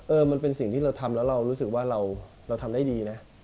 มันเป็นสิ่งที่เราทำแล้วเรารู้สึกว่าเราทำได้ดีนะ